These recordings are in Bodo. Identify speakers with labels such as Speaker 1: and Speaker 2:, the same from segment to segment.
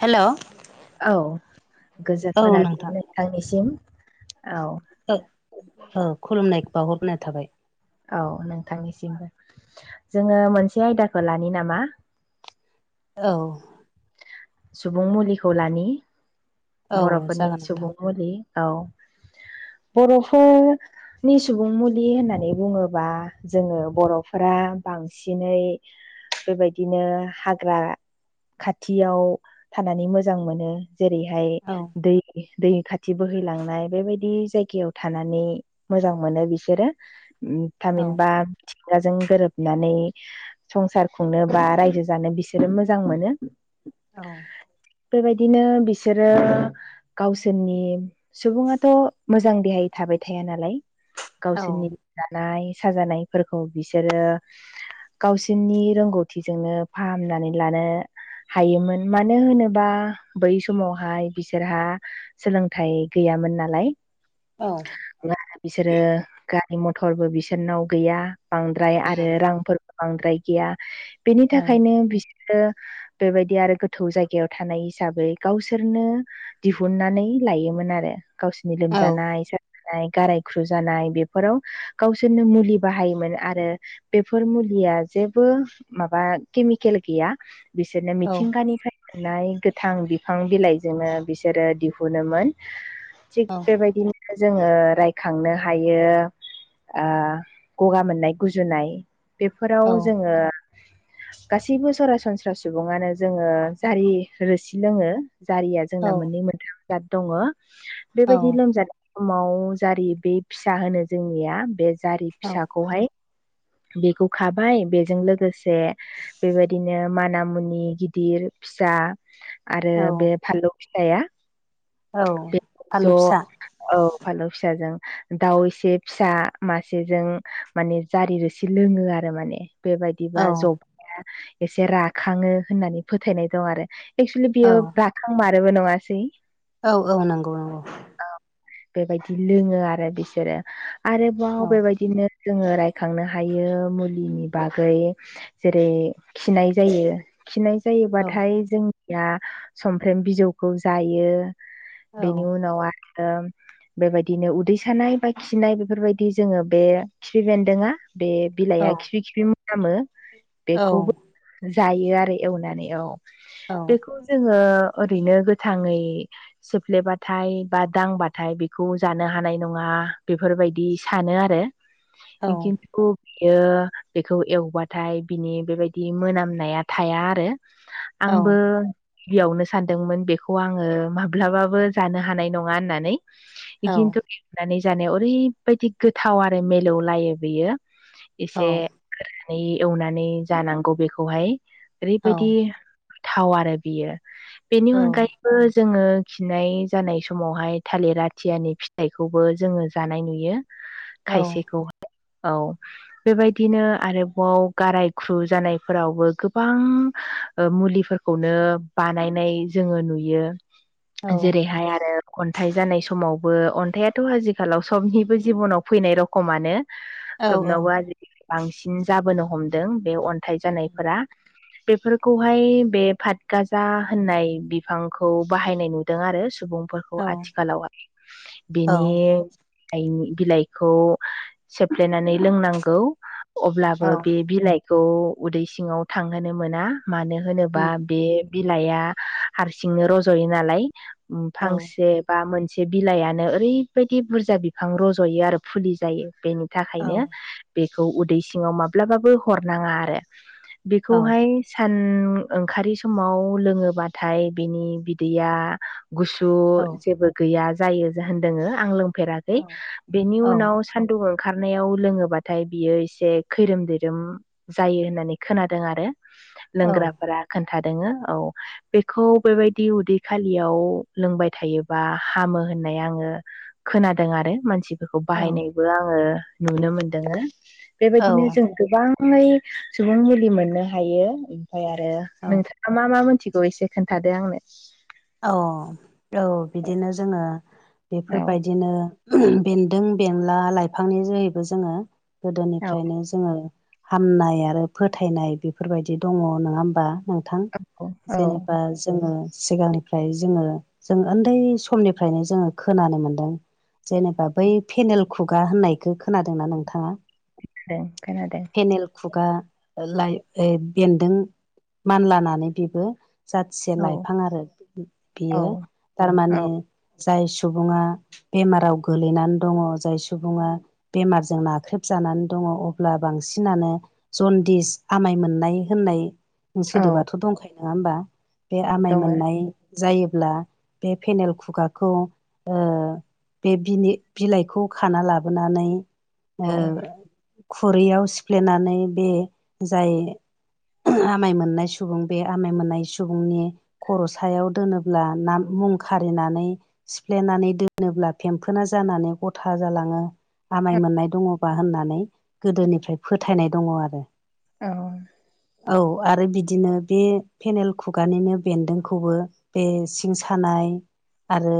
Speaker 1: हेल' औ
Speaker 2: औ गोजोनमोन
Speaker 1: नोंथां
Speaker 2: आरो आंनिसिम औ
Speaker 1: औ खुलुमनाय बाहरनाय थाबाय
Speaker 2: औ नोंथांनिसिमबो जोङो मोनसे आयदाखौ लानो नामा
Speaker 1: औ
Speaker 2: सुबुं मुलिखौ लानि
Speaker 1: औ
Speaker 2: बर'फोरनि
Speaker 1: जागोन नोंथां
Speaker 2: सुबुं मुलि औ बर'फोर नि सुबुं मुलि होननानै बुङोबा जोङो बर'फोरा बांसिनै बेबायदिनो हाग्रा खाथियाव थानानै मोजां मोनो जेरैहाय
Speaker 1: औ
Speaker 2: दै दै खाथि बोहैलांनाय बेबायदि जायगायाव थानानै मोजां मोनो बिसोरो
Speaker 1: औ
Speaker 2: थामहिनबा मिथिंगाजों गोरोबनानै संसार खुंनो बा रायजो जानो बिसोरो मोजां मोनो
Speaker 1: औ
Speaker 2: बेबायदिनो बिसोरो गावसोरनि सुबुङाथ' मोजां देहायै थाबाय थाया नालाय
Speaker 1: औ
Speaker 2: गावसोरनि जानाय साजानायफोरखौ बिसोरो गावसोरनि रोंगौथिजोंनो फाहामनानै लानो हायोमोन मानो होनोबा बै समाव हाय बिसोरहा सोलोंथाइ गैयामोन नालाय
Speaker 1: औ
Speaker 2: बिसोरो गारि मथरबो बिसोरनाव गैया बांद्राय आरो रांफोर बांद्राय गैया बेनि थाखायनो बि आरो बेबायदि आरो गोथौ जायगायाव थानाय हिसाबै गावसो बिसोरनो दिहुननानै लायोमोन आरो गावसोरनि
Speaker 1: औ
Speaker 2: लोमजानाय गाराय ख्रुजानाय बेफोराव गावसोरनो मुलि बाहायोमोन आरो बेफोर मुलिया जेबो माबा केमिकेल गैया बिसोरनो मिथिंगानिफ्राय गोथां बिफां बिफां बिलाइजोंनो बिसोरो दिहुनोमोन थिग बेबायदिनो ओ जोङो रायखांनो हायो। ओ गगा मोननाय गुजुनाय बेफोराव जोङो गासैबो सरासनस्रा सुबुङानो जोङो जारि रोसि लोङो। जारिया जोंना मोननै मोनथाम जाद दङ
Speaker 1: औ
Speaker 2: बेबायदि लोमजादों। समाव जारि बे फिसा होनो जोंनिया बे जारि फिसाखौहाय बेखौ खाबाय बेजों लोगोसे बेबायदिनो माना मुनि गिर गिदिर फिसा आरो
Speaker 1: औ
Speaker 2: बे फानलौ फिसाया
Speaker 1: औ
Speaker 2: बे
Speaker 1: फानलु
Speaker 2: ज'
Speaker 1: फिसा
Speaker 2: औ फानलु फिसाजों दाउ एसे फिसा मासेजों माने जारि रोसि लोङो आरो माने
Speaker 1: औ
Speaker 2: बेबायदिबा जबाया एसे राखाङो होननानै फोथायनाय दं आरो एक्सलि
Speaker 1: औ
Speaker 2: बियो राखां मारोबो नङासै
Speaker 1: औ औ नंगौ नंगौ।
Speaker 2: औ बेबायदि लोङो आरो बिसोरो आरोबाव
Speaker 1: औ
Speaker 2: बेबायदिनो जोङो रायखांनो हायो मुलिनि बागै जेरै खिनाय जायो। खिनाय
Speaker 1: औ
Speaker 2: जायोबाथाय जोंनिया समफ्रेम बिजौखौ जायो।
Speaker 1: औ
Speaker 2: बेनि उनाव आरो बेबायदिनो उदै सानाय बा खिनाय बेफोरबायदि जोङो बे खिफि बेन्दोंआ बे
Speaker 1: औ
Speaker 2: बिलाइआ खिफि खिफि मोनामो
Speaker 1: औ
Speaker 2: बेखौबो जायो आरो एवनानै औ बेखौ जोङो ओरैनो गोथाङै सोफ्लेबाथाय बा दांबाथाय बेखौ जानो हानाय नङा बेफोरबायदि सानो आरो
Speaker 1: औ
Speaker 2: एगिन खुब बेयो बेखौ एवबाथाय बिनि बेबायदि मोनामनाया थाया आरो
Speaker 1: औ
Speaker 2: आंबो बेयावनो सानदोंमोन बेखौ आङो माब्लाबाबो जानो हानाय नङा होननानै ओ खिन्थु बिनानै जानायाव ओरैबायदि गोथाव आरो मिलौलायो बेयो एसे गोरानै एवनानै जानांगौ बेखौहाय ओरैबायदि थाव आरो बियो बेनि अनगायै बो जोङो खिनाय जानाय समावहाय थालिर आथियानि फिथाइखौबो जोङो जानाय नुयो।
Speaker 1: औ
Speaker 2: खायसेखौ औ बेबायदिनो आरोबाव गाराय ख्रु जानायफोरावबो गोबां ओ मुलिफोरखौनो बानायनाय जोङो नुयो जेरैहाय आरो अन्थाइ जानाय समावबो अन्थाइयाथ' आजिखालाव सबनिबो जिबनाव फैनाय रखमानो सबनावबो आजिखालि बांसिन जाबोनो हमदों बे अन्थाइ जानायफोरा बेफोरखौहाय बे फाथ गाजा होननाय बिफांखौ बाहायनाय नुदों आरो सुबुंफोर खौ आथिखालाव आ बिनि आइनि बिलाइखौ सेफ्लेनानै लोंनांगौ। अब्लाबो
Speaker 1: औ
Speaker 2: बे बिलाइखौ उदै सिङाव थांहोनो मोना मानो होनोबा बे बिलाइआ हारसिंनो रज'यो नालाय उम
Speaker 1: औ
Speaker 2: फांसे बा मोनसे बिलाइआनो ओरैबायदि बुरजा बिफां रज'यो आरो फुलि जायो बेनि
Speaker 1: औ
Speaker 2: थाखायनो बेखौ उदै सिङाव माब्लाबाबो हरनाङा आरो
Speaker 1: औ
Speaker 2: बेखौहाय सान ओंखारि समाव लोङोबाथाय बिनि बिदैया गुसु
Speaker 1: औ
Speaker 2: सु जेबो गैया जायो जाहोन जोङो आं लोंफेराखै
Speaker 1: औ
Speaker 2: बिनि
Speaker 1: औ
Speaker 2: उनाव सान्दुं ओंखारनायाव लोङोबाथाय बियो एसे खैरोम दैैरोम जायो होननानै खोनादों आरो
Speaker 1: औ
Speaker 2: लोंग्राफोरा खोन्थादोंङो औ बेखौ बेबायदि उदै खालियाव लोंबाय थायोबा हामो होननाय आङो खोनादों आरो मानसि बेखौ
Speaker 1: औ
Speaker 2: बाहायनायबो आङो नुनो मोनदों ओ बेबायदिनो
Speaker 1: औ
Speaker 2: जों गोबाङै सुबुं मुलि मोननो हायो ओमफाय आरो नोंथां मा मा मोनथिगौ एसे खोन्थादो आंनो।
Speaker 1: औ औ बिदिनो जोङो
Speaker 2: औ
Speaker 1: बेफोरबायदिनो बेन्दों बेनला लाइफांनि जोहैबो जोङो
Speaker 2: औ
Speaker 1: गोदोनिफ्रायनो जोङो हामनाय आरो फोथायनाय बेफोरबायदि दङ नङा होमबा। नोंथां
Speaker 2: औ
Speaker 1: जेनेबा जोङो सिगांनि ओमफ्राय जोङो जों उन्दै समनिफ्रायनो जोङो खोनानो मोनदों। जेनेबा बै फेनेल खुगा होननायखो खोनादोंना नोंथाङा?
Speaker 2: ओं खोनादों।
Speaker 1: पेनेल खुगा ओ लाय बे बेन्दों मानलानानै बेबो जाथिसे लाइफां आरो
Speaker 2: औ
Speaker 1: बियो
Speaker 2: औ
Speaker 1: थारमाने जाय सुबुङा बेमाराव गोलैनानै दङ जाय सुबुङा बेमारजों नाख्रेबजानानै दङ अब्ला बांसिनानो जनदिस आमाय मोननाय होननाय।
Speaker 2: औ
Speaker 1: सोदोबाथ' दंखायो नङा होमबा बे आमाय
Speaker 2: दङ
Speaker 1: मोननाय। जायोब्ला बे फेनेल खुगाखौ ओ बे बिनि बिलाइखौ खाना लाबोनानै
Speaker 2: औ
Speaker 1: ओ खुरैयाव सिफ्लेनानै बे जाय आमाय मोननाय सुबुं बे आमाय मोननाय सुबुंनि खर' सायाव दोनोब्ला ना मुं खारिनानै सिफ्लेनानै दोनोब्ला फेम्फोना जानानै गथा जालाङो। आमाय मोननाय दङबा होननानै गोदोनिफ्राय फोथायनाय दङ आरो।
Speaker 2: औ।
Speaker 1: औ आरो बिदिनो बे फेनेल खुगानिनो बेन्दोंखौबो बे सिं सानाय आरो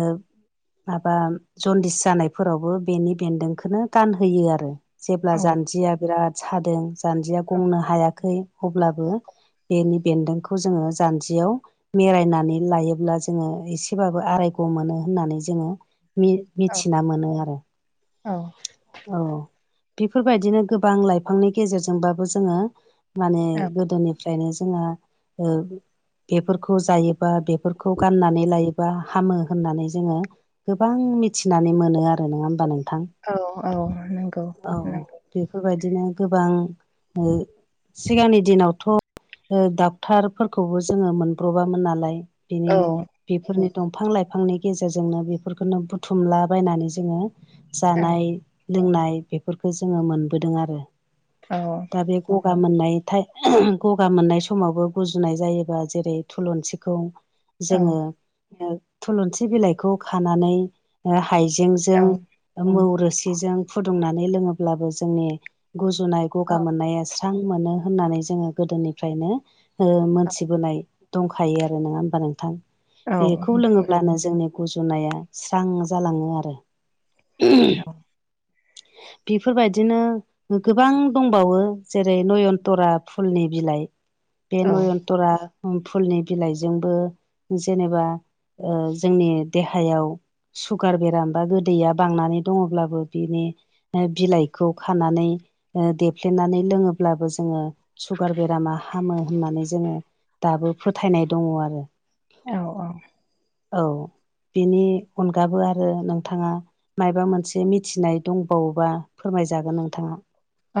Speaker 1: ओ माबा जन्दिस जानायफोरावबो बेनि बेन्दोंखौनो गानहोयो आरो। जेब्ला
Speaker 2: औ
Speaker 1: जानजिया बिराद सादों जानजिया गंनो हायाखै अब्लाबो बेनि बेन्दोंखौ जोङो जानजियाव मिरायनानै लायोब्ला जोङो एसेबाबो आरायग' मोनो होननानै जोङो मिथिना मोनो आरो।
Speaker 2: औ।
Speaker 1: औ बेफोरबायदिनो गोबां लाइफांनि गेजेरजोंबाबो जोङो माने गोदोनिफ्रायनो जोंहा ओ बेफोरखौ जायोबा बेफोरखौ गाननानै लायोबा हामो होननानै जोङो गोबां मिथिनानै मोनो आरो नङा होमबा नोंथां।
Speaker 2: औ औ नंगौ
Speaker 1: औ
Speaker 2: उम।
Speaker 1: बेफोरबायदिनो गोबां ओ सिगांनि दिनावथ' डाक्टरफोरखौबो जोङो मोनब्र'बामोन नालाय। बिनि
Speaker 2: औ
Speaker 1: बेफोरनि दंफां लाइफांनि गेजेरजोंनो बेफोरखौनो बुथुमलाबायनानै जोङो
Speaker 2: औ
Speaker 1: जानाय लोंनाय बेफोरखौ जोङो मोनबोदों आरो
Speaker 2: औ
Speaker 1: दा बे गगा मोननाय गगा मोननाय समावबो गुजुनाय जायोबा जेरै थुलुंसिखौ
Speaker 2: औ
Speaker 1: जोङो थुलुंसि बिलाइखौ खानानै
Speaker 2: औ
Speaker 1: हाइजेंजों मौ रोसिजों फुदुंनानै लोङोब्लाबो जोंनि गुजुनाय गगा मोननाया [unintelligible] मोनो होननानै जोङो गोदोनिफ्रायनो ओ मोनथिबोनाय। दंखायो आरो नङा होमबा नोंथां बेखौ लोङोब्लानो जोंनि गुजुनाया स्रां जालाङो आरो। बेफोरबायदिनो गोबां दंबावो जेरै नयनतरा फुलनि बिलाइ बे
Speaker 2: औ
Speaker 1: नयन दरा फुलनि बिलाइजोंबो जेनेबा। जोंनि देहायाव सुगार बेराम बा गोदैया बांनानै दङब्लाबो बिनि बिलाइखौ खानानै देफ्लेनानै लोङोब्लाबो जोङो सुगार बेरामा हामो होननानै जोङो दाबो फोथायनाय दङ आरो।
Speaker 2: औ औ
Speaker 1: औ बेनि अनगाबो आरो नोंथाङा माबा मोनसे थिनाय दंबावोबा फोरमायजागोन नोंथाङा।
Speaker 2: औ।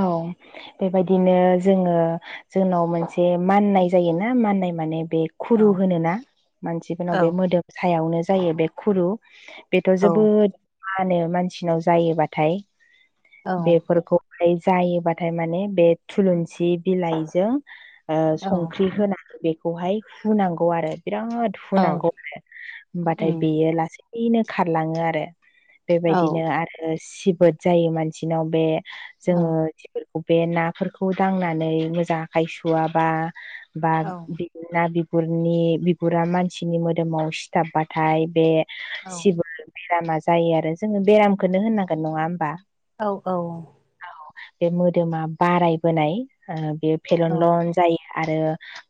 Speaker 2: बेबायदिनो जोङो जोंनाव मोनसे माननाय जायोना माननाय माने बे
Speaker 1: औ
Speaker 2: खुरु होनोना मानसिफोरनाव
Speaker 1: औ
Speaker 2: बे मोदोम सायावनो जायो बे खुरु। बेथ'
Speaker 1: औ
Speaker 2: जोबोद मानो मानसिनाव जायोबाथाय
Speaker 1: औ
Speaker 2: बेफोरखौ ओमफ्राय जायोबाथाय माने बे थुलुंसि बिलाइजों।
Speaker 1: औ
Speaker 2: संख्रि होनानै बेखौहाय हुनांगौ आरो बिराद
Speaker 1: औ
Speaker 2: हुनांगौ आरो होमबाथाय
Speaker 1: उम
Speaker 2: बेयो लासैनो खारलाङो आरो।
Speaker 1: औ
Speaker 2: बेबायदिनो आरो सिबोद जायो मानसिनाव बे
Speaker 1: औ
Speaker 2: जोङो [unintelligible] बबे नाफोरखौ दांनानै मोजां आखाइ सुवाबा बा
Speaker 1: औ
Speaker 2: ना बिगुरनि बिगुरा मानसिनि मोदोमाव सिथाबबाथाय बे
Speaker 1: औ
Speaker 2: सिबो बेरामा जायो आरो जोङो बेरामखौ होननांगोन नङा होमबा?
Speaker 1: औ औ
Speaker 2: औ बे मोदोमा बारायबोनाय बे
Speaker 1: औ
Speaker 2: फेलनलन जायो आरो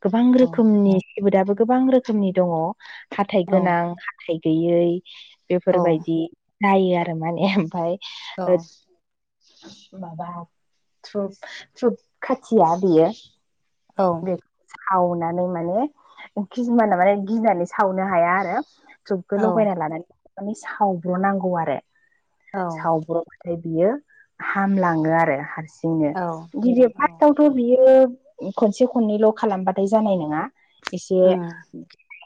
Speaker 2: गोबां
Speaker 1: औ
Speaker 2: रोखोमनि सिबोदआबो गोबां रोखोमनि दङ हाथाइ
Speaker 1: औ
Speaker 2: गोनां हाथाय गैयै
Speaker 1: औ
Speaker 2: बेफोरबायदि जायो आरो माने ओमफाय आ माबा थ्रुब थ्रुप खाथिया बेयो
Speaker 1: औ
Speaker 2: बेखौ सावनानै माने खिसुमाना माने गिनानै सावनो हाया आरो। थुबखौ
Speaker 1: औ
Speaker 2: लगायना लानानै माने सावब्र' नांगौ आरो सावब्र' नाथाय बियो हामलाङो आरो हारसिंनो
Speaker 1: औ
Speaker 2: गिदिर
Speaker 1: औ
Speaker 2: [unintelligible] थ' बियो खनसे खननैल' खालामबाथाय जानाय नङा एसे
Speaker 1: उम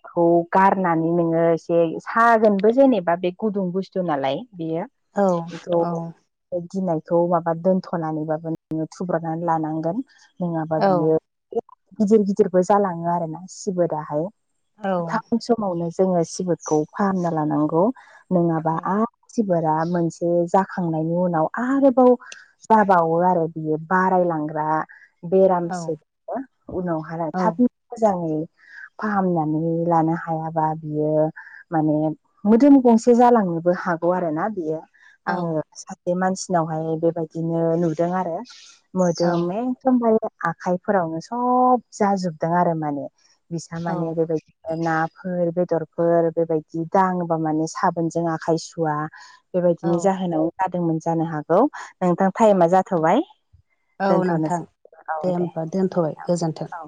Speaker 2: खौ गारनानै नोङो एसे सागोनबो जेनेबा बे गुदुं बुस्थु नालाय बेयो
Speaker 1: औ
Speaker 2: [unintelligible]
Speaker 1: औ
Speaker 2: बे गिनाय बेखौ माबा दोन्थ'नानैबाबो नोङो थुब्रनानै लानांगोन नोङाबा
Speaker 1: औ
Speaker 2: बियो गिदिर गिदिरबो जालाङो आरोना सिबोदाहाय
Speaker 1: औ
Speaker 2: [unintelligible] समावनो जोङो सिबोदखौ फाहामना लानांगौ नङाबा आ मानसिफोरा मोनसे जाखांनायनि उनाव आरो खौ जाबावो आरो बियो बारायलांग्रा बेरामसो उनावहाय थाब मोजाङै फाहामनानै लानो हायाबा बियो माने मोदोम गंसे जालांनोबो हागौ आरो ना बियो। आङो सासे मानसिनावहाय बेबायदिनो नुदों आरो। मोदोम एखदमबार आखाइफोरावनो सब जाजोबदों आरो माने बिसा
Speaker 1: औ
Speaker 2: माने [unintelligible] नाफोर बेदरफोर बेबायदि दाङोबा माने साबोनजों आखाय सुवा
Speaker 1: औ
Speaker 2: बेबायदिनि जाहोनाव जादोंमोन जानो हागौ। नोंथां टाइमा जाथ'बाय
Speaker 1: औ नोंथां
Speaker 2: दोनथ'नोसै औ दे।
Speaker 1: दोनथ'बाय
Speaker 2: औ
Speaker 1: गोजोन्थों।
Speaker 2: औ